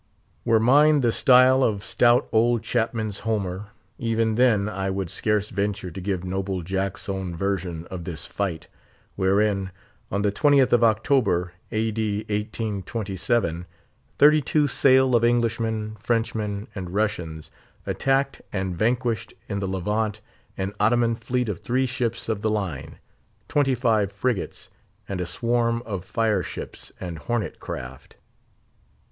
Were mine the style of stout old Chapman's Homer, even then I would scarce venture to give noble Jack's own version of this fight, wherein, on the 20th of October, A. D. 1827, thirty two sail of Englishmen, Frenchmen, and Russians, attacked and vanquished in the Levant an Ottoman fleet of three ships of the line, twenty five frigates, and a swarm of fire ships and hornet craft.